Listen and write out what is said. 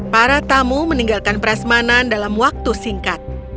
para tamu meninggalkan prasmanan dalam waktu singkat